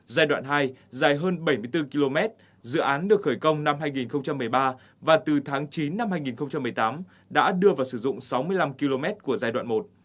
giai đoạn hai dài hơn bảy mươi bốn km dự án được khởi công năm hai nghìn một mươi ba và từ tháng chín năm hai nghìn một mươi tám đã đưa vào sử dụng sáu mươi năm km của giai đoạn một